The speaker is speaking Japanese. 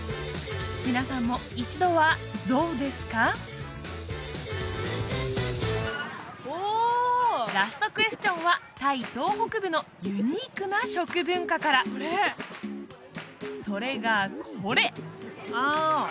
皆さんも一度はラストクエスチョンはタイ東北部のユニークな食文化からそれがこれ！